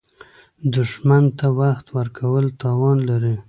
دښمن ته وخت ورکول تاوان لري